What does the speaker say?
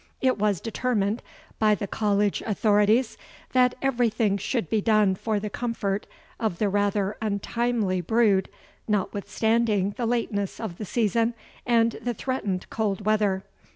It was determined by the college authorities that everything should be done for the comfort of the rather untimely brood notwithstanding the lateness of the season and the threatened cold weather.